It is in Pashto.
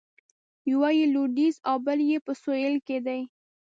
یو یې لویدیځ او بل یې په سویل کې دی.